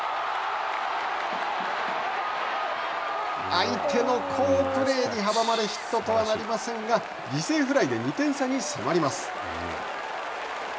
相手の好プレーに阻まれヒットとはなりませんが犠牲フライで２点差に迫ります。